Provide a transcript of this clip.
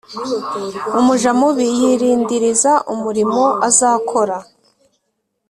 umuja mubi yirindiriza umurimo azakora